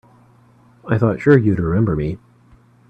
I thought sure you'd remember me.